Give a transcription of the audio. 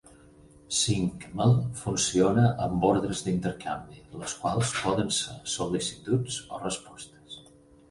Syncml funciona amb ordres d'intercanvi, les quals poden ser sol·licituds o respostes.